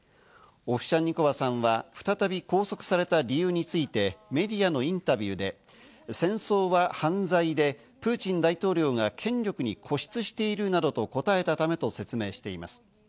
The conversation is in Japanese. オフシャンニコワさんは再び拘束された理由についてメディアのインタビューで、戦争は犯罪でプーチン大統領が権力に固執しているなどと答えたためと説明しています。